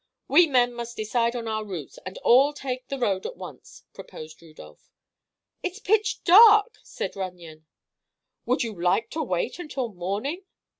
"We men must decide on our routes and all take the road at once," proposed Rudolph. "It's pitch dark," said Runyon. "Would you like to wait until morning?"